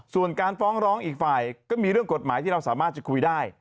ส่วนการฟ้องร้องอีกฝ่ายก็มีเรื่องกฎหมายที่เราสามารถจะคุยได้